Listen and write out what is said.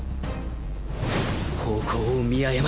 方向を見誤るな